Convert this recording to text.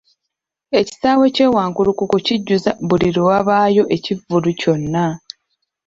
Ekisaawe ky'e Wankulukuku kijjuza buli lwe wabaayo ekivvulu kyonna.